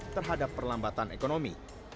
terhadap perlambatan ekonomi